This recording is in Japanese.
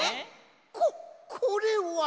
ここれは。